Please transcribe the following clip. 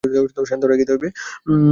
মনকে প্রফুল্ল অথচ শান্ত রাখিতে হইবে।